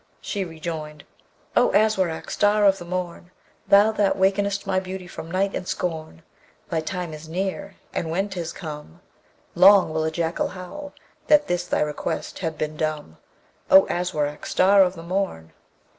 She rejoined, O Aswarak! star of the morn! Thou that wakenest my beauty from night and scorn, Thy time is near, and when 'tis come, Long will a jackal howl that this thy request had been dumb. O Aswarak! star of the morn!